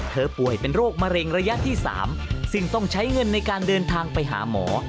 ป่วยเป็นโรคมะเร็งระยะที่๓ซึ่งต้องใช้เงินในการเดินทางไปหาหมอ